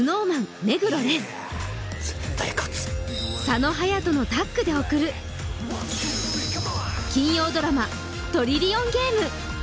絶対勝つ佐野勇斗のタッグでおくる金曜ドラマ「トリリオンゲーム」